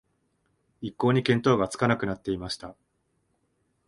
一向に見当がつかなくなっていました